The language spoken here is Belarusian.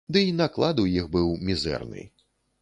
Ды і наклад іх быў мізэрны.